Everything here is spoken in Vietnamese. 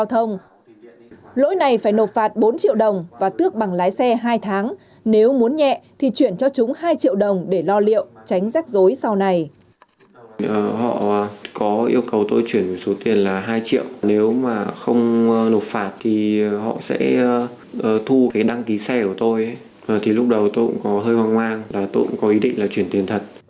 họ sẽ thu đăng ký xe của tôi lúc đầu tôi cũng hơi hoang mang tôi cũng có ý định là chuyển tiền thật